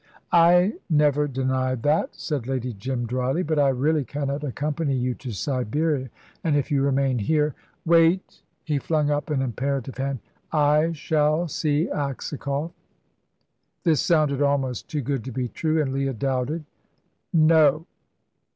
"I never denied that," said Lady Jim, dryly; "but I really cannot accompany you to Siberia, and if you remain here " "Wait!" He flung up an imperative hand. "I shall see Aksakoff." This sounded almost too good to be true, and Leah doubted. "No!"